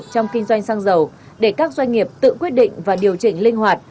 trong kinh doanh xăng dầu để các doanh nghiệp tự quyết định và điều chỉnh linh hoạt